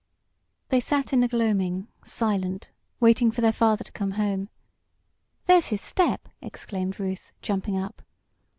They sat in the gloaming silent, waiting for their father to come home. "There's his step!" exclaimed Ruth, jumping up.